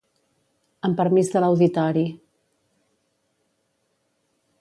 Amb permís de l'auditori.